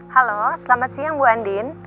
halo selamat siang bu andin